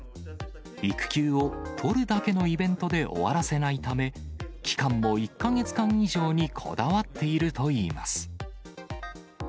育休を取るだけのイベントで終わらせないため、期間も１か月間以上にこだわっているといいます。